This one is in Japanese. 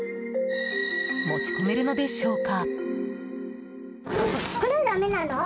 持ち込めるのでしょうか？